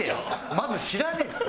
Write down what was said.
まず知らねえって。